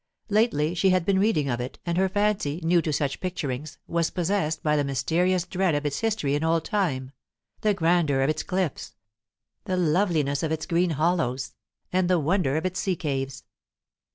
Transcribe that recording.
Lately she had been reading of it, and her fancy, new to such picturings, was possessed by the mysterious dread of its history in old time, the grandeur of its cliffs, the loveliness of its green hollows, and the wonder of its sea caves.